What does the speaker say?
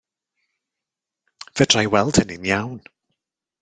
Fedra i weld hynny'n iawn.